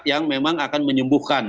yang memang akan menyembuhkan